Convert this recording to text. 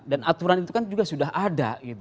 dan aturan itu kan juga sudah ada